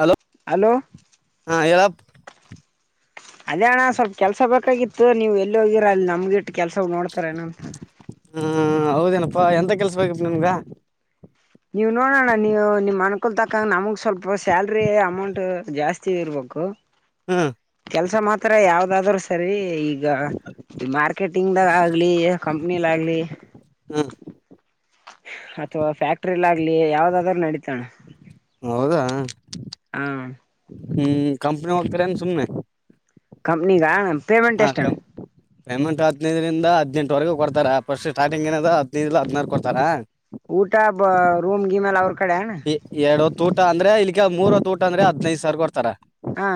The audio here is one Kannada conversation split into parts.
ಹಲೋ ಹಲೋ ಹಾ ಹೇಳ ಅದೇ ಅಣ್ಣ ಸ್ವಲ್ಪ ಕೆಲ್ಸ ಬೇಕಾಗಿತ್ತು ನೀವ್ ಎಲ್ಲಿ ಹೋಗಿರ ಅಲ್ಲಿ ನಮ್ಗಿಟ್ಟ ಕೆಲ್ಸ ನೋಡ್ತಾರ ಏನ ಅಂತ ಹ್ಮ ಹೌದೇನಪ್ಪಾ ಎಂತ ಕೆಲ್ಸ ಬೇಕಪ್ಪ ನಿಮಗ ನೀವು ನೋಡೋಣ ನೀವು ನಿಮ್ಮ ಮನ ಕುಲ ತಕ್ಕಂಗ ನಮ್ಗ ಸ್ವಲ್ಪ ಸ್ಯಾಲ್ರಿ ಅಮೌಂಟ್, ಜಾಸ್ತಿ ಇರ್ಬೇಕು, ಹ್ಮ್ ಕೆಲ್ಸ ಮಾತ್ರ ಯಾವ್ದ? ದಾದ್ರೂ ಸರಿ ಈಗ ಈಗ ಮಾರ್ಕೆಟಿಂಗ್ದಾಗ ಆಗ್ಲಿ ಕಂಪ್ನಿಲ್ ಆಗ್ಲಿ ಹ್ಮ ಅಥವಾ ಫ್ಯಾಕ್ಟ್ರಯಲಾಗ್ಲಿ ಯಾವ್ದಾದ್ರೂ ನಡಿತದಣ ಹೌದಾ ಹ್ಮ್ ಕಂಪ್ನಿಗ ಹೋಗ್ತಿರೆನ್ ಸುಮ್ನೆ ಕಂಪ್ನಿಗಾ? ಹಾ ಕಂಪ ಪೇಮಂಟ್ ಹದಿನೈದರಿಂದ ಹದನೆಂಟ ವರೆಗ ಕೊಡ್ತಾರ ಪಸ್ಟಿಗ್ ಸ್ಟಾರ್ಟಿಂಗ್ ಏನದ ಹದಿನೈದರಿಂದ ಹದ್ನರು ಕೊಡ್ತಾರ. ಊಟ ಬ ರೂಮ್ ಗಿಮ ಎಲ್ಲಾ ಅವ್ರ ಕಡೆ ಅಣ್ಣ ಎರಡಹೊತ್ತ ಊಟ ಅಂದ್ರೆ ಇಲ್ಲಿಕ್ಕೆ ಮೂರ ಊಟ ಅಂದ್ರ ಹದನೈದ ಸಾವಿರ ಕೊಡ್ತಾರ ಹಾ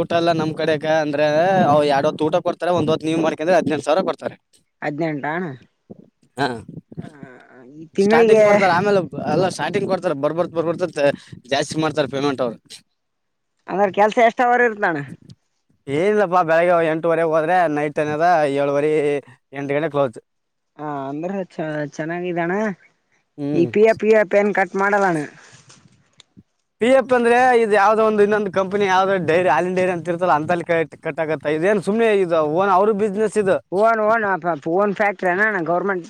ಊಟ ಎಲ್ಲ ನಮ್ಮ್ ಕಡೆಗ ಅಂದ್ರೆ ಅವ್ ಎರಡ್ವತ್ತು ಊಟ ಕೊಡ್ತಾರೆ ಒಂದ್ವತ್ತು ನೀವು ಮಾಡ್ಕಂದ್ರೆ ಹದಿನಂದು ಸಾವಿರ ಕೊಡ್ತಾರೆ. ಹದಿನೆಂಟ ಹಾ ಹ ಈ ಸ್ಟಾರ್ಟಿಂಗ್ ತಿಂಗಳಿಗೆ ಕೊಡ್ತಾರ ಆಮೇಲೆ ಎಲ್ಲ ಸ್ಟಾರ್ಟಿಂಗ್ ಕೊಡ್ತಾರೆ. ಬರ್ಬರ್ ಬರ್ಬತ ಜಾಸ್ತಿ ಮಾಡ್ತಾರೆ ಪೇಮೆಂಟ್ ಅವರು ಅಂದ್ರ ಕೆಲ್ಸ ಎಷ್ಟವರ ಇರ್ತಾದನ್ಣ, ಏನಿಲ್ಲಪ್ಪಾ ಬೆಳಗ್ಗೆ ಎಂಟುವರೆ ಹೋದ್ರೆ ನೈಟ್ ಏನದ ಏಳುವರಿ ಎಂಟು ಗಂಟೆ ಕ್ಲೋಸ್ ಹ ಅಂದ್ರ ಚ ಚೆನ್ನಾಗಿದ್ದಣ ಇ ಹ್ಮ್ ಪಿಯಫ ಪಿಯಫ ಏನ್ ಕಟ್ಟ ಮಾಡಲನ್ನ ಪಿ ಎಫ ಅಂದ್ರೆ ಇದು ಯಾವ್ದೋ ಒಂದು ಇನ್ನೊಂದು ಕಂಪನಿ ಯಾವ್ದೋ ಡೈರಿ ಹಾಲಿನ ಡೈರಿ ಅಂತ ಇರ್ತಲ್ಲ, ಅಂತ ಅಲ್ಲಿ ಕಟ್ ಆಗತ್ತ ಇದಏನ್ ಸುಮ್ಮ್ನೆ ಇದು ಓನ್ ಅವರು ಬಿಸ್ನೆಸ್ ಇದು ಓನ್ ಓನ್ ನ್್ಯಾ [unintelligible] ಫ್ಯಾಕ್ಟರಿಣ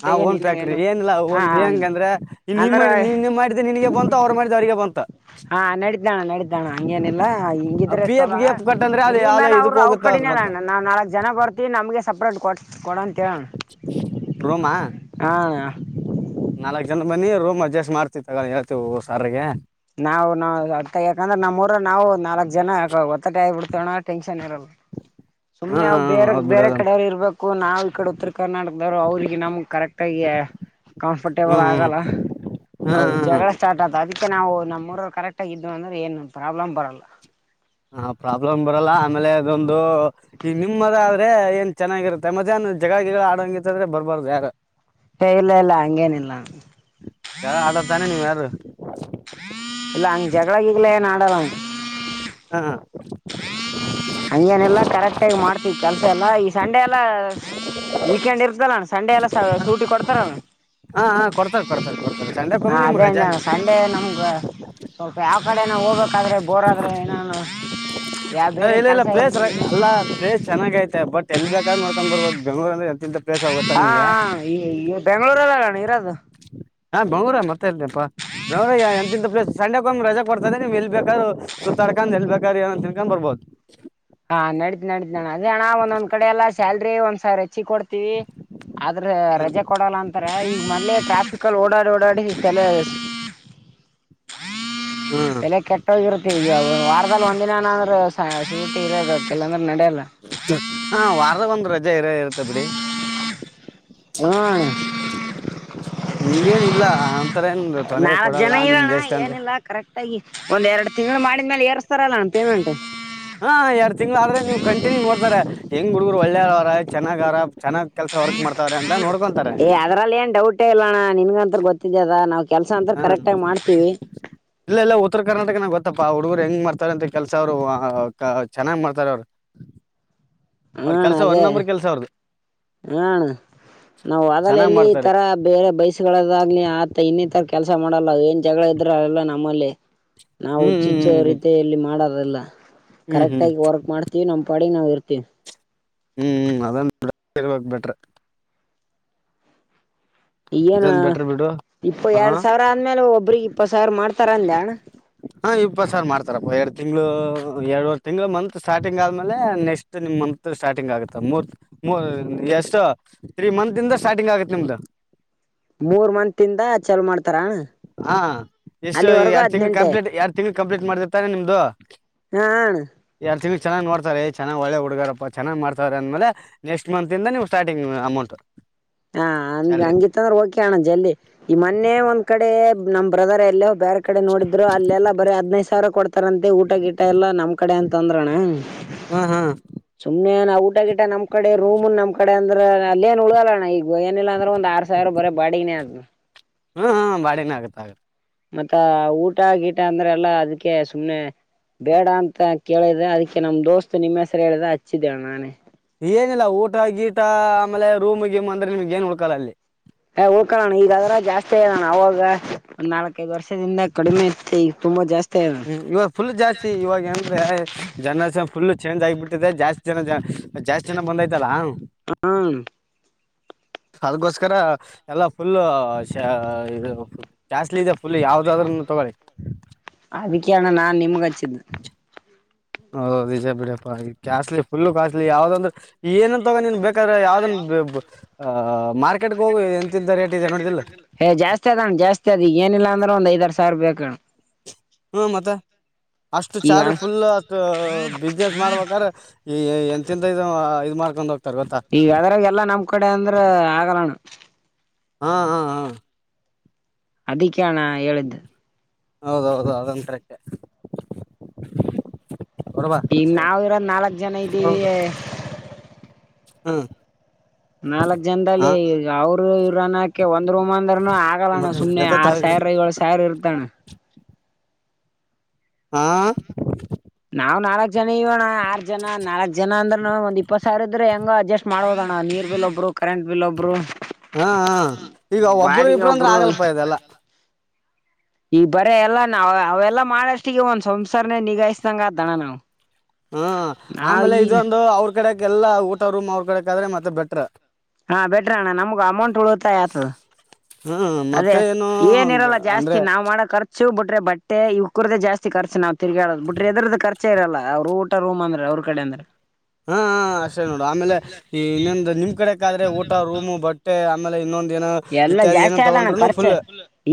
ಹಾ ಓನ್ ಫ್ಯಾಕ್ಟ್ರಿ ಏನಿಲ್ಲ ಓನ್ ಹೆಂಗಂದ್ರೆ ಇ ನಿಮ್ ಅಂದ್ರ ನಿನಗೆ ಮಾಡಿದ್ದೆ ನಿನಿಗೆ ಬಂತು ಅವ್ರು ಮಾಡಿದ್ದು ಅವ್ರಿಗೆ ಬಂತು ಹಾ ನಡಿತದಣ ನಡಿತದಣ ಹಂಗೇನಿಲ್ಲ ಹಿಂಗಿದ್ರೆ ಪಿ ಎಫ್ ಚೊಲೋ ಗಿ ಎಫ್ ಕಟ್ಟಂದ್ರೆ ಅದು ಯಾವ್ದೋ ರೂಮನ್ ಇದಕ್ಕೆ ಅವ್ರರು ಅವ್ರ ಹೋಗುತ್ತ ಅದು ಕಡಿನೇಲ್ಲ ಮತ್ತೆ ಅಣ್ಣ ನಾವ್ ನಾಲ್ಕ್ ಜನ ಬರ್ತೀವಿ ನಮ್ಗೆ ಸಪ್ರೇಟ್ ಕೊಡ ರೂಮಾ? ಹಾ ನಾಲ್ಕ್ ಜನ ಬನ್ನಿ ರೂಮ್ ಅಡ್ಜಸ್ಟ್ ಮಾಡ್ತಿವಿ ತಗೊಂಡ ಹೇಳ್ತವಿ ಸಾರಿಗೆ. ನಾ್ ನಾವ ಅತ್ತ ಯಾಕಂದ್ರೆ ನಮ್ಮೂಊರ ನಾವು ನಾಲ್ಕ್ ಜನ ಒತ್ತಟಿ ಆಗಿಬಿಡ್ತೇವಣ ಟೆನ್ಷನ್ ಇರಲ್ ಹ್ಮ್ ಸುಮ್ನೆ ಅವವು ಹ್ಮ್ ಬೇರೆ ಹೌದ್ ಬೇರೆ ಬಿಡೋದನ್ ಕಡೆರು ಇರ್ಬೇಕು ನಾವ್ ಈ ಕಡೆ ಉತ್ತರ ಕರ್ನಾಟಕದವರು ಅವ್ರಿಗೆ ನಮ್ಗ್ ಕರೆಕ್ಟ್ ಆಗಿ ಕಂಫರ್ಟೇಬಲ್ ಹ್ಮ್ ಹ್ಮ್ ಆಗಲ್ಲ ಅವ ಹ್ಮ್ ಹ್ಮ್ ಜಗಳ ಸ್ಟಾರ್ಟ್ ಆಗತವಾ ಅದಕ್ಕೆ ನಾವು ಕರೆಕ್ಟ್ ಆಗಿದ್ದವ ಅಂದ್ರೆ ಏನು ಪ್ರಾಬ್ಲಮ್ ಬರಲ್ಲ ಹ ಪ್ರಾಬ್ಲಮ್ ಬರಲ್ಲ ಆಮೇಲೆ ಅದೊಂದು ಈ ನಿಮ್ ಮದ ಆದ್ರೆ ಏನ್ ಚೆನ್ನಾಗಿರುತ್ತೆ ಮಧ್ಯಾಹ್ನ ಜಗಳಗಿಳಾ ಆಡಂಗಿತ್ತ ಆದ್ರೆ ಬರ್ಬಾರ್ದ ಯಾರು ಏ ಇಲ್ಲ ಇಲ್ಲ ಹಂಗೇನಿಲ್ಲ ಜಗಳ ಆಡಲ ತಾನೆ ನೀವ್ ಯಾರು ಹ ಇಲ್ಲ ಹಂಗ್ ಜಗಳ ಗಿಗಳ ಆಡಲ್ಲ ಹಾ ಹಂಗೆನ ಎಲ್ಲಾ ಕರೆಕ್ಟ ಆಗಿ ಮಾಡ್ತೀವಿ ಕೆಲ್ಸ ಎಲ್ಲಾ ಸಂಡೇ ಎಲ್ಲ [inaudible] ವೀಕೆಂಡ್ ಸಂಡೆ ಎಲ್ಲ ಸೂಟಿ ಕೊಡ್ತಾರ ಹಾ ಹಾ ಕೊಡ್ತಾರೆ ಕೊಡ್ತಾರೆ ಕೊಡ್ತಾರೆ ಹ ಸಂಡೆಕೊಮ್ಮೆ ನಿಮ್ಗೆ ಅದೇ ಅಂದೆ ರಜಾನೆ ಸಂಡೆ ನಮ ಸ್ವಲ್ಪ ಯಾವ ಕಡೆ ಹೋಗ್ಬೇಕಾದ್ರೆ ಬೋರ್ ಆದ್ರ ನ ಯಾವ ಏ ಬೇರೆ ಇಲ್ಲ ಇಲ್ಲ ಕೆಲ್ಸ ಪ್ಲೇಸ್ ಇರ್ಲಿ ಅಲ್ಲ ಪ್ಲೆಸ ಚೆನ್ನಾಗ ಐತೆ ಬಟ್ ಎಲ್ಲಿ ಬೇಕಾದ್ರ ನೋಡ್ಕೊಂಡ್ ಬರ್ಬೋದು ಬೆಂಗ್ಳೂರ್ [unintelligible] ಹಾ ಹಾ ಈ ಬೆಂಗ್ಗಳೂರಲ್ಲಣ ಇರೋದು ಹಾ ಬೆಂಗಳೂರು ಮತ್ತೆ ಇಲ್ರಿ ಬೆಂಗಳೂರು ಎಂತಂತ ಪ್ಲೇಸ್ ಸಂಡೆ ಹೋಗ್ ರಜಾ ಕೊಡ್ತದೆ ನೀವ್ ಎಲ್ ಬೇಕಾದು ಸುತ್ತಾಡ್ಕೊಂಡ್ ಎಲ್ಬೇಕಾದ್ರ ಏಂತ ತಿನ್ಕೊಂಡ್ ಬರ್ಬೋದು ಹಾ ನಡತತಿ ನಡತತಿ ನ ಅದೇಣ್ಣ ಒಂದೊಂದ್ ಕಡೆ ಎಲ್ಲ ಸ್ಯಾಲ್ರಿ ಒಂದ್ಸ ರಚಿ ಕೊಡ್ ಆದ್ರ ಹ್ಮ್ ರಜೆ ಕೊಡಲ್ಲ ಅಂತಾರೆ ಮೆ ಟ್ರಾಫಿಕ್ ಅಲ್ಲಿ ಓಡಾಡಿ ಓಡಾಡಿ ನೆ ಹ್ಮ್ [unintelligible] ತಲೆ ಕೆಟ್ಟೋಗಿರತ್ತೆ ವಾರದಲ್ಲಿ ಒಂದಿನಏನಂದ್ರೆಂದ್ರೆ [unintelligible] ಹ ವಾರದ ಬಂದ್ಬೇಕು ರಜೆ ಇರ ಇರುತ್ತ ಬಿಡಿ ಹ್ಮ್ ಹಂಗೇನಿಲ್ಲ ನಾಲ್ಕ್ ಜನ ಇರೋಣ ಏನಿಲ್ಲ ಕರೆಕ್ಟ್ ಒಂದ್ ಎರಡು ತಿಂಗಳು ಮಾಡಿದ್ಮೇಲೆ ಏರ್ಸ್ತಾರಲ್ಲ ಅಣ್ಣ ಪೇಮೆಂಟ್. ಹಾ ಎರಡ್ ತಿಂಗಳು ಆದ್ರೆ ನೀವು ಕಂಟಿನ್ಯೂ ನೋಡ್ತಾರೆ ಹೆಂಗ್ ಹುಡ್ಗರು ಒಳ್ಳೇರರ ಚೆನ್ನಾಗರ ಚನ್ನಾಗ್ ಏ ಅದ್ರಲ್ಲಿ ಏನ್ ಡೌಟೇ ಇಲ್ಲಣ್ಣ ನಿನ್ಗಂತ ಗೊತ್ತಿದ್ದದ ನಾವ್ ಕೆಲ್ಸ ಅಂದ್ರ ಹಾ ಕರೆಕ್ಟಾಗಿ ಮಾಡ್ತೀವಿ ಇಲ್ಲ ಇಲ್ಲ ಉತ್ತರ ಕರ್ನಾಟಕನಾಗ ಗೊತ್ತಪ್ಪ ಹುಡುಗರು ಹೆಂಗ್ ಮಾಡ್ತಾರ ಅಂತ ಕೆಲ್ಸ ಅವ್ರು ಚೆನ್ನಾಗ್ ಮಾಡ್ತಾರ ಅವ್ರು ಅವ್ರ ಕೆಲ್ಸ ಒಂದ ನಂಬರ್ ಕೆಲ್ಸ ಅವ್ರದು ಹ್ಮ್ ನಾವ್ ಅದಲ್ಲ ಚೆನ್ನಾಗ್ ಎಲ್ಲಿ ಈ ಮಾಡ್ತಾರೆ ತರ ಬೇರೆ ಬೆಯಸ್ಸಗಳದಾಗ್ಲಿ ಆತ ಇನ್ನೇ ತರ ಕೆಲಸ ಮಾಡಲ್ಲ ಏನ್ ಜಗಳ ಇದ್ರಲ್ಲ ನಮ್ಮಲ್ಲಿ ನಾವು ಹ್ಮ್ ಹ್ಮ್ ಚ್ಚಿಚ್ಚರೀತಿಯ ಇಲ್ಲಿ ಮಾಡಲ್ಲಾ ಅದಲ್ಲ ಹ್ಮ್ ಹ್ಮ್ ಹ್ಮ್ ಕರೆಕ್ಟ್ ಹ್ಮ್ ಆಗಿ ವರ್ಕ್ ಮಾಡ್ತೀವಿ ನಮ್ಮ್ ಪಾಡಿಗ್ ನಾವವು ಇರ್ [inaudible] ಹ್ಮ್ ಅದನ್ ಬಿ ಇರ್ಬೇಕಕ್ ಬಿಟ್ರೆ ನು ಇದೊಂದ್ ಬೆಟ್ರ ಬಿಡು ಇಪ್ಪ ಹಾ ಎರಡ್ ಸಾವಿರ ಅಂದ್ಮೇಲೆ ಒಬ್ರಿಗೆ ಇಪ್ಪತ್ ಸಾವಿರ ಮಾಡ್ತಾರಾಂದ್ಯಾಣ ಹಾ ಇಪ್ಪತ್ ಸಾರ್ ಮಾಡ್ತಾರಪ್ ಎರಡು ತಿಂಗಳು ಎರಡುವರ್ ತಿಂಗ್ಗಳು ಮಂತ್ ಸ್ಟಾರ್ಟಿಂಗ್ ಆದ್ಮೇಲೆ ನೆಕ್ಸ್ಟ್ ನಿಮ್ ಮಂತ್ ಸ್ಟಾರ್ಟಿಂಗ್ ಆಗುತ್ತ ಮೊರ್ ಮೂರ್ ಎಷ್ಟು ತ್ರೀ ಮಂನತಿಂದ ಸ್ಟಾರ್ಟಿಂಗ್ ಆಗುತ್ತೆ ನಿಮ್ದು ಮೂರ್ ಮಂತಂತಿದ ಚಲ ಮಾಡ್ತವಿ ಹಾ ಎಷ್ಟು ಎರಡ್ ತಿಂಗಗಳು ಹದಿನೆಂಟೆ ಕಂಪ್ಲೀಟ್ ಎರಡ್ ತಿಂಗ ಕಂಪ್ಲೀಟ್ ಮಾಡ್ದಿತಾನೆ ನಿಮ್ದು [unintelligible] ತಿ ಚೆನ್ನ್ ನೋತಾರೆ ಚೆನ್ನಾಗಿ ಒಳ್ಳೆ ಹುಡುಗಾರಪ್ಪಾ ಚೆನ್ನಾಗಿ ಮಾಡ್ತಾರೆ ಅಂದ್ಮೇಲೆ ನೆಕ್ಸ್ಟ್ ಮಂತದಿಂದ ನೀವು ಸ್ಟಾರ್ಟಿಂಗ್ ಅಮೌಂಟ್ ಹಾ ಅಂದ ಸ್ಯಾಲ್ರಿ ಹಂಗಿತ್ತ ಅಂದ್ರೆ ಓಕೆ ಅಣ ಜಲ್ಲಿ ಈ ಮೊನ್ನೆ ಒಂದ್ ಕಡೆ ನಮ್ಮ ಬ್ರದರ ಎಲ್ಲೂ ಬೇರೆ ಕಡೆ ನೋಡಿದ್ರು ಅಲ್ಲೆಲ್ಲ ಬರೀ ಹದನೈದು ದ ಸಾವಿರ ಕೊತಾರಂತೆ ಊಟ ಗೀಟ ಎಲ್ಲ ನಮ್ ಕಡೆ ಅಂತ ತೊಂದರಣೇ ಹ್ಮ್ ಹ್ಮ್ ಸುಮ್ಮನೆ ನಾ ಊಟ ಗಿಟ ನಮ್ಮ್ ಕಡೆ ರೂಮು ನಮ್ಮ ಕಡೆ ಅಂದ್ರ ಅಲ್ಲೇನು ಉಲೇಳಣ ಈಗ ಗ ಏನಿಲ್ಲ ಅಂದ್ರೆ ಒಂದ ಆರ್ ಸಾವಿರ ಬರ ಬಾಡಿಗೆನೆ ಅ ಹ್ಮ್ ಹ್ಮ ಬಾಡಗಿನ ಆಗತ್ತ ಆಗತಾ ಮತ್ತ ಊಟ ಗೀಟ ಅಂದ್ರೆ ಎಲ್ಲಾ ಅದಕ್ಕೆ ಸುಮ್ನೆ ಬೇಡ ಅಂತ ಕೇಳಿದೆ ಅದಕ್ಕೆ ನಮ್ ದೋಸ್ತ್ ನಿಮ್ಮ ಹೆಸ್ರ ಹೇಳಿದೆ ಹಚ್ಚಿದ್ದೇ ನಾನೇ ಏನಿಲ್ಲ ಊಟ ಗೀಟ ಆಮೇಲೆ ರೂಮ್ ಗೀಮ್ ಅಂದ್ರೆ ನಿಮ್ಗೆ ಏನ್ ಉಳ್ಕಲ್ಲ ಅಲ್ಲಿ ಹ ಹೋಕಣ ಈಗ ಅದ್ರ ಜಾಸ್ತಿ ಆಗಣ್ಣ ಅವಾಗ ಒಂದ್ ನಾಲ್ಕೈದು ವರ್ಷದಿಂದ ಕಡಿಮೆ ಇತ್ತೆ ಈಗ ತುಂಬಾ ಜಾಸ್ತಿ ಆಗ್ಯದ ಹ್ಮ್ ಇವಾಗ ಫುಲ್ ಜಾಸ್ತಿ ಇವಾಗಏನದ್ರೆ ಜನನ್ ಫುಲ್ ಚೇಂಜ್ ಆಗಿಬಿಟ್ಟು ಜಾಸ್ತಿ ಜನ ಜ ಜಾಸ್ತಿ ಜನ ಬಂದಯ್ತಲ್ಲಾ ಹ್ಮ ಅದಗೋಸ್ಕಾರ ಎಲ್ಲಾ ಫುಲ್ಲ ಶ ಇದು ಕ್ಯಾಸ್ಲಿ ಇದೆ ಫುಲ್ ಯಾವ್ದಾದ್ರನು ತಗೊಳ್ಳಿ ಅದಕ್ಕೆಣ ನಾನ್ ನಿಮ್ಗ ದ್ನ ಹೌದದು ನಿಜ ಬಿಡಪ್ಪಾ ಕಾಸ್ಲಿ ಫುಲ್ಲು ಕಾಸ್ಟ್ಲಿ ಯಾವ್ದಂದ್ರ ಏನನ್ ತಗೊಂಡ ನೀನ್ ಬೇಕಾದ್ರ ಯಾವ್ದನ್ ಹ ಜಾಸ್ತಿ ಅದಣ ಜಾಸ್ತಿ ಅದ ಈಗ ಏನಿಲ್ಲ ಅಂದ್ರೆ ಒಂದ್ ಐದ್ ಆರ್ ಸಾ ಸರ್ ಬೇಕಣ ಹ್ಮ ಮತ್ತೆ ಅಷ್ಟು ಈಗ ಚಾರ್ ಫುಲ್ ಅಷ್ಟ ಬಿಸ್ನೆಸ್ ಮಾಡ್ಬೇಕಾದ್ರೆ ಈ ಎಂತ ಎಂತ ಇ ಇ್ ಮಾಡ್ಕೊಂಡೋಗ ಈಗ ಅದ್ರಾಗ ಎಲ್ಲಾ ನಮ್ ಕಡೆ ಅಂದ್ರ ಆಗಲಣ ಹಾ ಹಾ ಹಾ ಅದಿಕ್ಕೆಣ ಹೇಳಿದ್ದು ಹೌದೌದು ಅದೊಂತ ಕರಕ್ಕೆ ಈಗ ನಾವ ಇರೋ್ ನಾಲ್ಕ್ ಜನ ಇದ್ದೀವಿ ಹ್ಮ ನಾಲ್ಕ್ ಜನದಲ್ಲಿ ಅವರು ಇವ್ರನ್ನಕ ಒಂದ್ ರೂಮ್ ಅಂದ್ರನು ಆಗಲ್ಲಣ್ಣ ಸುಮ್ನೆ ಎದ ತಾವ ಆರ್ ಸಾವಿರ ಏಳ್ ಸಾವಿರ ಇರ್ತಣ ಹಾ ನಾ ನಾಲ್ಕ್ ಜನ ನೀವಣ ಆರ್ ಜನ ನಾಲ್ಕ ಜನ ಅಂದ್ರ ಒಂದ್ ಇಪ್ಪತ್ ಸಾವಿರ ಇದ್ರೆ ಹೆಂಗ ಅಜಸ್ಟ್ ಮಾಡೋದಣ ನೀರ್ ಬಿ ಒಬ್ರು ಕರೆಂಟ್ ಬಿಲ್ ಒಬ್ರು ಹಾ ಹ ಈಗ ಒಬ್ಬರು ಬಾಡಿಗೆ ಇಬರು ಅಂದ್ರೆ ಆಗಲ್ಪದೆಲ್ಲ ಒಬ್ರು ಈ ಬರ ಎಲ್ಲ ನ ಅವೆಲ್ಲಾ ಮಾಡಷ್ಟಿಗೆ ಒಂದ್ ಸಂಸಾರನೆ ನಿಗಾಯಿಸ್ದಂಗ ಅ್ದಣ್ಣ ನಾವವು ಹ್ಮ ಆಮೇಲೆ ಇದೊಂದು ಅವ್ರ ಕಡೆಗೆ ಎಲ್ಲ ಊಟ ರೂಮ್ ಅವ್ರ ಕಡೆ ಆದ್ರೆ ಮತ್ತೆ ಬೆಟ್ರರ್ ಹಾ ಬೆಟ್ರ ಅಣ್ಣ ನಮ್ಗ್ ಅಮೌಂಟ್ ಉಳುತ್ತಾ ಆತದ ಹ್ಮ್ ಅದೇ ಮತ್ತೆ ಏನು ಏನಿರಲ್ಲ ಜಾಸ್ತಿ ಅಂದ್ರೆ ನಾವ್ ಮಾಡಕ್ರ್ಚು ಶಿವ್ ಬಿಟ್ರೆ ಬಟ್ಟೆ ಇವ ಕ್ರದ್ದ ಜಾಸ್ತಿ ರ್ಚ ನಾವ್ ತಿರುಗಾ ಹೇಳೋದ ಬಿಟ್ರೆ ಎದ ಖರ್ಚ ಇರಲ್ಲ ಅವ್ ಊ ರೂ್ ಅಂದ್ರೆ ಅವ್ರ ಕಡೆ ಅಂದ್ರೆ ಹಾ ಹ ಅಷ್ಟೇ ನೋಡು ಆಮೇಲೆ ಈ ಇನ್ನೊಂದು ನಿಮ್ ಕಡೆಕ್ ಆದ್ರೆ ಊಟ ರೂಮ್ ಬಟ್ಟೆ ಆಮೇಲೆ ಇನ್ನೊಂದ ಏನೋ ಇತ್ಯಾದಿ ಏನ ಣ್ಣ ಖರ್ಚೆ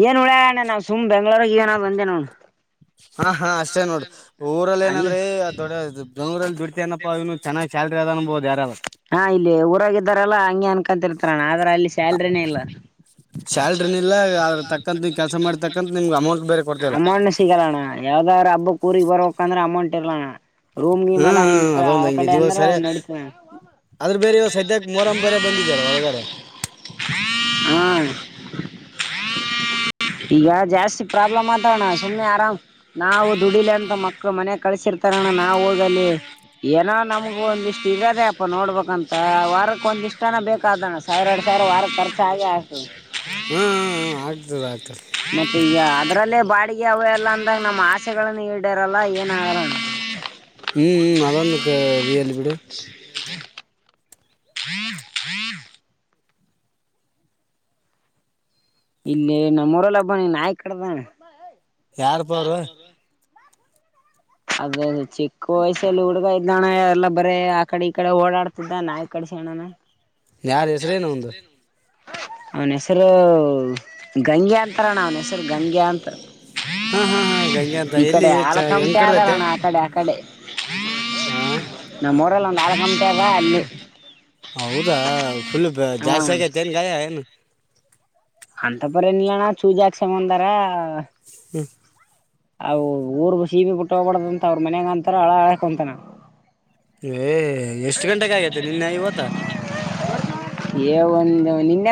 ಏನ್ ಉಳ್ಯಣ್ಣ ನಾ ಸುಮ್ ಬೆಂಗ್ಳೂರ ಏನಾದ್ ಬಂದ ನೋ ಹಾ ಹಾ ಅಷ್ಟೇ ನೋಡಿ ಊರಲ್ಲಿ ಅಲ್ಲಿ ಏನಂದ್ರೆ ದೊಡ ಬೆಂಗೂರಲ್ಲಿ ನಪ್ಪ ಇನು ಚೆನ್ನಾಗಿ ಯಾರಾರ ಹಾ ಇಲ್ಲಿ ಊರಾಗಿದ್ದಾರಲ್ಲಾ ಹಂಗಗೆ ಅನ್ಕ ತರುತರಾನ ಅದು ಸ್ಯಾಲ್ರಿನ ಇಲ್ಲ ಅದ್ರ ತಕ್ಕಂತ ನೀವು [unintelligible] ಕೆಲಸ ಮಾಡ್ತಕ್ಕಂತ ನಿಮ್ಗೆ ಅಮೌಂಟ್ ಬೇರೆ [unintelligible] ಕೊಡ್ತಿಲ್ಲ ಮ ಸಿಣ ಯಾವ ಹ ಬಂದ್ರೆ ಅಮೌಂಟ್ ಟ್ಟಿಲ [unintelligible] ರೂಮ್ ಗ ಮಲ್ಲ ಹ್ಮ್ ಹ್ಮ್, ನಿಮ ಆ ಅದೊಂದ್ ಹಂಗೆ ಕಡೆ ಇವಾಗ ಅಂದ್ರ ಸರಿ ನಡೀತ ಆದದ್ರ ಬೇರೆ ಸದ್ಯಕ್ಕೆ ಮರ ಬರೆ ಬಂದಿದಲ್ಲ ಒಳಗಡೆ ಹಾ ಈಗ ಜಾಸ್ತಿ ಪ್ರಾಬ್ಲಮ್ ಆತ ಅಣ್ಣ ಸುಮ್ಮ್ನೆ ಆರಾಮ್ ನಾವು ದುಡಿಲಿ ಅಂತ ಮಕ್ಳು ಮನೆ ಕಳಸಿರ್ತಾರ ಅಣ್ಣ ನಾವವು ಹೋಗಲಿ ಏನೋ ನಮ್ ಒಂದಿಷ್ಟು ಇರದೆೇ ಅಪ್ಪ ನೋಡ್ಬೇಕಂತ ವಾರಕ್ ಒಂದಿ ಇಷ್ಟನ ಬೇಕಾದಣ ಸಾವಿರ ಎರಡ್ ಸಾವಿರ ವಾರಕ್ಕೆ ಖರ್ಚ ಆೆ ಆಗ್ತದೆ ಹ್ಮ್ ಹ್ಮ್, ಆಗ್ತದೆ ಆಗ್ತದೆ ಮತ್ತ ಅದ್ರಲ್ಲೇ ಅಡಗೆ ಅವೆ ಎಲ್ಲ ಅಂದ ನಮ್ಮ ಆ ಪಸಗಳ ನೀ ಇಡರಲ್ಲ ಅಯ್ಯನಣ ಹ್ಮ್್ಮ್ ಅ ರಿಲ್ ಎಡು ಹ ಹನ್ ಹೀನ್ ಇಲ್ಲಿ ನಮ್ಮರಲ್ಲ ಹಬ್ಬನಿ ನಾಯ್ ಕಡದಾನ ಯಾರ ಪ ಅವರು ಅದ ಚಿಕ್ಕ ವಯಸ್ಸಲ್ಲಿ ಹುಡ್ಗ ಇದ್ದಣ ಎಲ್ಲ ಬರೇ ಆ ಕಡೆ ಈ ಕಡೆ ಓಡಾಡ್ತಿದ್ದ ನಾ ಈ ಕಡೆ ಸಣನ ಯಾರ ಹೆಸ್ರೇನ ಒಂದು ಅವನ ಹೆಸರು ಗಂಗೆ ಅಂತಾರಣ್ಣ ಅವನ ಹೆಸರು ಗಂಗೆ ಅಂತ ಹಾ ಹಾ ಹಾ ಗಂಗೆ ಅಂತ ಎಲ್ಲಿ ಬೇವರಣ ಆ ಕಡೆ ಆ ಕಡೆ ಹ್ಮ್ ಹ ಮೊಡಲ್ ಒಂದು ಅಳಗಾಮಂತಲ್ಲ ಅಲ್ಲಿ ಹೌದಾ ಫುಲ್ ಹಾ ಜಾಸ್ತಿ ಆಗೇತೆ ಏನ್ ಗಾಯಾ ಏನು ಅಂತ ಪರ ಎನಲ್ಲನಾ ಚೂಜಾಕ್ಷೇಮಂದಾರಾ ಹ್ಮ ಅವು ಊರ್ ಸೀಬಿ ಬಿಟ್ಟೋಗ್ಬಾರ್ದ ಅಂತ ಅವ್ರ ಮನ್ಯಾಗ ಅಂತಾರ ಹಳ ಹಕೊಂತಾನ ಏ ಎಷ್ಟು ಗಂಟೆಗೆ ಆಗೇತೆ ನಿನ್ನೆ ಇವತ್ತ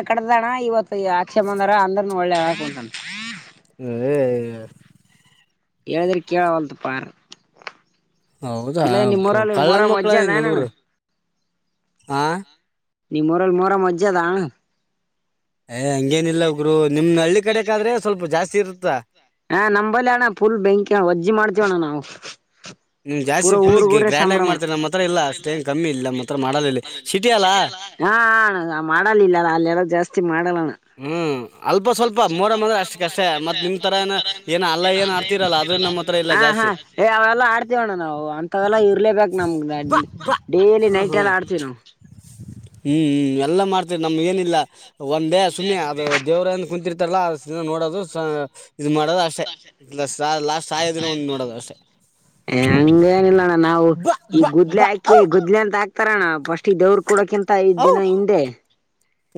ಕಡ್ದಣ ಇವ ಈ ಆಕ್ಷಮಂದರ ಅ್ರ ಒಳ್ಳೆದ ಹ ಎಳದ್ರ ಕೀೇಳ ವಳತು ಪಾರ ಹೌದಾ ಕಳ್ಳನ್ ಒಜ್ಜೆ ಅದ ಮಕ್ಳಿಂದ ಅಣ್ಣ ಹುಡುಗ್ರು ಹ ನಿ ಮರಲ್ಲಿ ಮೊರ ಮಜ್ಜದಾ ಏ್ ಹಂಗೇನಿಲ್ಲ ಉಗರು ನಿಮ್ ಹಳ್ಳಿ ಕಡೆಗ ಆದ್ರೆ ಸ್ವಲ್ಪ ಜಾಸ್ತಿ ಇರುತ್ತೆ ಕುುತ್ತ ಹ ನಂಬಲ್ಲಿ ಅಣ್ಣ ಫುಲ್ ಬೆಂಕಿ ಅಣ್ಣ ವಜ್ಜಿ ಮಾಡ್ತೀವ ಅಣ್ಣ ನಾವು ನಿಮ್ ಜಾಸ್ತಿ ಪುರಾ ಫುಲ್ ಊರ್ ಊರ ಗ್ರ್ಯಾಂಡ್ ಆಗಿ ಸಂಭ್ರಮ ಮಾಡ್ತಾರೆ ನಮ್ಮ ಹತ್ರ ಇಲ್ಲ ಅಷ್ಟೇನ್ ಕಮ್ಮಿ ಇಲ್ಲ ನಮ್ಮ ಹತ್ರ ಮಾಡಲ್ಲ ಇಲ್ಲಿ ಸಿಟಿ ಅಲ್ಲ ಮಾಡ ಅಲ್ಲಿ ಜಾಸ್ತಿ ಇ ಮಾಡ್ ಹ್ಮ್ ಅಲ್ಪ ಸ್ವಲ್ಪ ಮೂರ ಮಂದ್ರೆ ಅಷ್ಟ ಕಷ್ಟೇ ಮತ್ ನಿಮ್ ತರ ಏನ ಏನ ಅಲ್ಲ ಏನ್ ಆಡ್ತಿರಲ್ಲ ಅದು ನಮ್ಮ ಹತ್ರ ಇಲ್ಲ ಹ ಹಾ ಜಾಸ್ತಿ ಏ ಅವೆಲ್ಲಾ ಆಡ್ತವಣ್ಣ ನಾವು ಅಂತವೆಲ್ಲಾ ಇರ್ಲೇಬೇಕಕ್ ನಮಗ ಹ್ಮ್ ಡೇಲಿ ನೈಟ್ ಎಲ್ಲಾ ಆಡ್ತೀವಿ ನಾವವು ಹ್ಮ್್ಮ್ ಎಲ್ಲಾ ಮಾಡ್ತ ನಮ್ ಏನಿಲ್ಲ ಒಂದೇ ಸುಮ್ಮನೆ ಅದು ದೇವ್ರ ಕುಂತಿರ್ತಾರೆ ಎಲ್ಲ ನೋಡೋದು ಇದು ಮಾಡೋದು ಅಷ್ಟೇ ಲಾಸ್ಟ್ ಸಾಯೋ ದಿನ ಒಂದ್ ನೋಡೋದು ಅಷ್ಟೇ ಹಂಗ ಏನಿಲ್ಲ ಅಣ್ಣ ನಾವು ಬಾ ಈ ಬಾ ಗುದ್ಲೆ ಬಾ ಹಾಕಿ ಔ ಗುದ್ಲಿ ಅಂತ ಹಾಕ ತ ಬ ದವ್ರರು ಕೂಡಕಿಂತ ಐದ್ ಔ ದಿನ ಹಿಂದೆ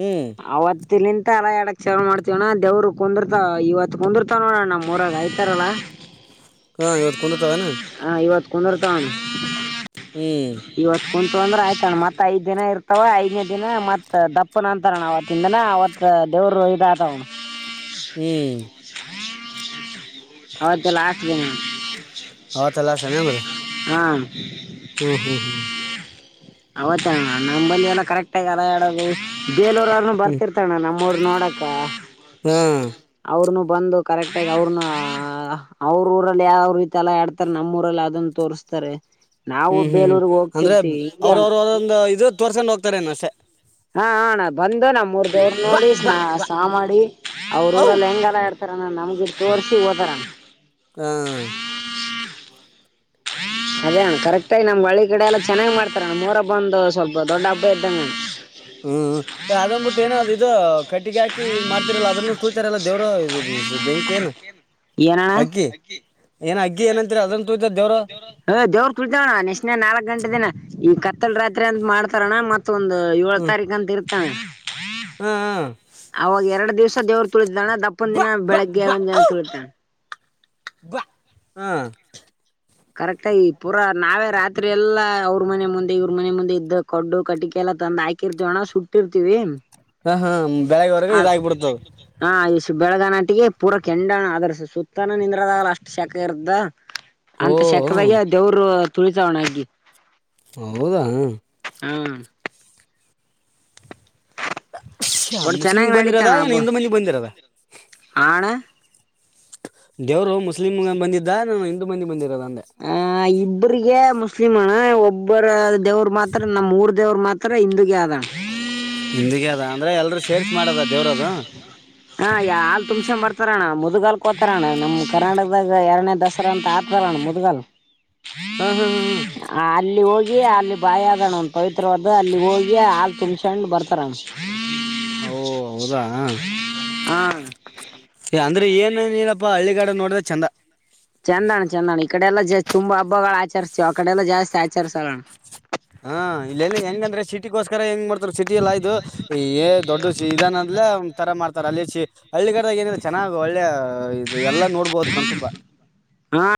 ಹ್ಮ್ ಅವತ್ ನಿಂತ ಅಲ ಎಾಡಕ್ ಚೇವ ಮಾಡ್ತವಣ ದೇವ್ರು ಕುಂದರ್ತಾವ ಇವತ್ತ್ತು ಕುಂದಿರ್ತಾವ ನೋಡಣ ನಮ್ಮ ಮೂರಾಗ ಆಯ್ತಾರಲ್ಲಾ ಹಾ ಇವತ್ತು ಕುಂತತವೆನ ಕುನರ್ತನ್ ಹ್ಮ್ ಕುಂತ್ರು ಅಂದ್ರ ಆಯ್ತಣ್ಣ ಮತ್ ಐದ್ ದಿನ ಇರ್ತವ ಐದನೇ ದಿನ ಮತ್ ದಪ್ಪನ ಅಂತಾರಣ ಅವತ್ತಿಂದನ ಅವತ್ ದೇವ್ರ ರ ಇದ ಆತವ ಹ್ಮ್ ಹೌದು ತಲ ಆಸ್ದ್ದನ ಅವತ್ತೆಲ್ಲ ಶನಿ ಅಂದ್ರ ಹ್ಮ [inaudible] ಹ್ಮ್ ಹ್ಮ್ ಹ್ಮ್ ಅವತ್ತ ನಮ್ಮಂಬಲ್ಲಿ ಎಲ್ಲ ಕರೆಕ್ಟ್ ಆಗಡೋದು ಬೇಲೋರ್ರನು ಹ್ಮ್ ಬರ್ತಿರ್ತಣ ನಮ್ಮ ಮೂರು ನೋಡಕ ಹಾ ಹ್ಮ್ ಅವ ನ ಬಂದು ಕರೆಕ್ಟ್ ಆಗಿ ಅವ್ರನ್ನ ಅವ್ರ ಊರಲ್ಲಿ ಯಾವ ರೀತಿ ಎಲ್ಲ ಆಡ್ತಾರೆ ನಮ್ಮ ಊರಲ್ಲಿ ಅದನ್ನ ತೋರ್ಸ್ತಾರೆ ನಾವು ಬೇಲೂರ್ಗ್ ಹೋಗ್ತಿರ್ತಿವಿ ಅವ್ರ ಅಣ ಅವ್ರದಂದು ಇದು ತೋರ್ಸೊಂಡ ಹೋಗ್ತಾರೆ ರೆ ನಸೆ ಹಾ ಹಣ ಬಂದು ನಮ್ಮ ಮೂರ್ ದೇವರ್ ಬಾ ನೋಡಿ ಬಾ ಬಾ ಸಾ ಮಾಡಿ ಅವ್ರ ಔ ಊರಲ್ಲಿ ಹೆಂಗಲ್ಲ ಇತಾರೆ ನಮ್ಗಿ ತೋರ್ಸಿ ಓದಾರಣ ಹಾ ಅದೇ ಕರೆಕ್ಟ್ ಆಗಿ ನಮ್ ಒಳ್ಳ ಕಡೆ ಎಲ್ಲ ಚೆನ್ನ್ ಮಾಡ್ತಾರೆ ನಮ್ಮ್ ಮೂರ ಹಬ್ಬ ಒಂದು ಸ್ವಲ್ಪ ದೊಡ್ಡ ಹಬ್ಬ ಇದ್ದಂಗ ಹ್ಮ್ ಅದ್ ಬಿಟ್ಟು ಏನ ಅ್ ಇದು ಕಟ್ಟಿಗೆ ಹಾಕಿ ಇ್ ಮಾಡ್ತಿರಲ್ಲ ಅದನ್ನು ತೂಳ್ತಾರಲ್ಲ ದೇವರು ಬೇಂಗಗೆ ಕನು ಏನಣ ಅಗ್ಗಿ ಏನಂತೀರ ಅದನ್ನ ತೂತಾರ ದೇವ್ರು ದವರು ಕುಳತವಣ್ಣ ನೆ ನಾಲ್ಕ್ ಗಂಟೆಿನ ಈ ಕತ್ತಲ್ ರಾತ್ರಿ ಅಂತ ಮಾಡ್ತಾರಣ ಮತ್ ಮತ್ತೊಂದು ಏಳಳ್ ಹ್ಮ್ ತಾರೀಕ ಅಂತ ಇರ್ತವೆ ಹಾ [inaudible] ಅವಾಗ ಎರಡು ದಿವ್ಸ ದೇವರು ತುಳಿತಿದ್ದಳ್ಣ ದಪ್ಪನ್ ಬಾ ದಿನ ಬಾ ಬೆಳಿಗ್ಗೆ ಬಾ ಒಂದ್ ದಿನ ಔ ತುಳಿತಳ [inaudible] ಹಾ ಕರೆಕ್ಟಾಗಿ ಪೂರಾ ನಾವೇ ರಾತ್ರಿ ಎಲ್ಲಾ ಅವ್ರ ಮನೆ ಮುಂದೆ ಇವ್ರ ಮನೆ ಮುಂದೆ ಇದ್ದ ಕಡ್ಡು ಕಟ್ಟಿಕ ಎಲ್ಲ ತಂದು ಹಾಕಿರ್ತೀವ ಅಣ್ಣ ಸುಟ್ಟಿರ್ತೀವಿ ಹಾ ಹಾ ಬೆಳಗ್ಗೆವರೆಗೆ ಇದಾಗಿಬಿಡ್ತದ ಷ್ಟ ಬೆಳಗ ನಾಟಿಗೆ ಪೂರ ಕೆಂಡ ಅಧರ್ಸ ಸುತ್ತನ ನಿಂದ್ರದಾಗಲ ಅಷ್ಟ ಶಕ ಇರ್ದ ಓ ಅಂತ ಹ್ಮ್ ಶಕದಾಗ ದೇವರು ತುಳಿತಾವಣಗ್ [inaudible] ಹೌದಾ ಹ ಒಟ್ ಮುಸ್ಲಿಮಗ್ ಬಂದಿರೋದ ಏನ ಹಿಂದೂ ಮಂದಿಗೆಗ್ ಬಂದಿರದ ಆ ದೇವರು ಮುಸ್ಲಿಮ್ಗೆ ಬಂದಿದ್ದ ನಾನು ಹಿಂದೂ ಮಂದಿ ಬಂದಿರೋದ ಅಂದೆ ಇಬ್ರಿಗೆ ಸಿಮಣ ಒಬ್ಬರ ದೇವ್ ಮಾತ್ರ ನಮ್ಮ್ಊಊರ್ ದೇವರು ಮಾತ್ರ ಅತ್ರ ಇಂದುಗ್ಯಾದಣ ಹಿಂದಿಗೆ ಅದ ಅಂದ್ರೆ ಎಲ್ರುೂ ಸೇರ್ರಿಸಿ ಮಾಡದ ದೇವ್ರದು ಹಾ ಯಾಲ್ ತುಮಸ ಮರ್ತ ಹತಾರಣ್ಣ ಮುದ್ಗಾಲ್ ಕೋತಾರಣ್ಣ ನಮ್ ಕರ್ನಾಟಕದಾಗ ಎರಡನೇ ದಸರಾ ಅಂತ ಆತಾರಣ್ಣ ಮುದ್ಗಾಲ್ ಹ್ಮ್ ಹ್ಮ್ ಹ್ಮ್ ಹ್ಮ್ ಹಿ ಅಲ್ಲಿ ಬಾಯ ಆದಣ್ಣ ಒಂದ ಪವಿತ್ರವಾದ ಅಲ್ಲಿ ಹೋಗಿ ಹಾ ತಿನ್ಸೊಂಡು ಬರ್ತಾರಣ್ಣ ಹ ಹೌದಾ ಹಾ ಅಂದ್ರೆ ಏನ ಏನ್ ಇರಪ್ಪಾ ಹಳ್ಳಿ ಕಡೆ ಹಳ್ಳಿಗಡ ನೋಡ್ರೆ ಚಂದ ಚಂದಣ ಚಂದಾಣ ಈ ಕಡೆ ಎಲ್ಲಾ ಜಾ ತುಂಬಾ ಹಬ್ಬಗಳು ಆಚರಿಸ್ತಿೀವ ಆ ಕಡೆ ಎಲ್ಲಾ ಜಾಸ್ತಿ ಆಚಸೋಣ ಹಾ ಇಲ್ಲೆಲ್ಲಿ ಹೆಂಗಂದ್ರೆ ಸಿಟಿಗೋಸ್ಕರ ಹೆಂಗ ಮಾಡ ಸಿಟಿ ಎಲ್ಲ ಇದುಏ ದೊಡ್ಡ ಇದಾನ ಅಂದೇ ತರ ಮಾಡ್ತಾರೆ ಅಲ್ಲಿ ಸಿ ಹಳ್ಳಿ ಕಡೆದಾಗ ಏನ್ರ ಚೆನ್ನಾಗ್ ಒಳ್ಳೆ ಹ ಇದು ಎಲ್ಲಾ ನೋಡ್ಬೋದು ಕಣ್ತುಂಬಾ ಹಾ